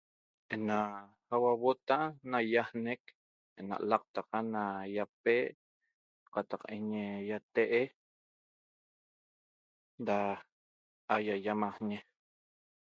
Ena ahuotaa nahixnec ena laqtaca eñe iape cataq iatee' da a iaiamaxñe